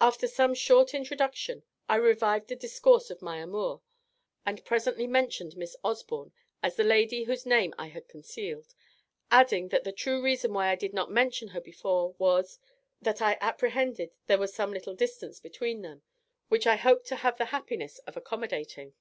After some short introduction, I revived the discourse of my amour, and presently mentioned Miss Osborne as the lady whose name I had concealed; adding, that the true reason why I did not mention her before was, that I apprehended there was some little distance between them, which I hoped to have the happiness of accommodating.